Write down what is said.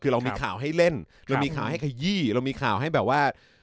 คือเรามีข่าวให้เล่นเรามีข่าวให้ขยี้เรามีข่าวให้แบบว่า